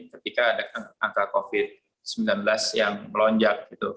ketika ada angka covid sembilan belas yang melonjak